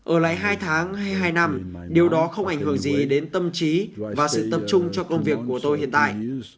ở lại hai tháng hay hai năm điều đó không ảnh hưởng gì đến tâm trí và sự tập trung cho công việc của tôi hiện tại